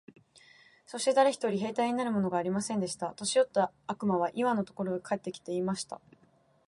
そして誰一人兵隊になるものがありませんでした。年よった悪魔はイワンのところへ帰って来て、言いました。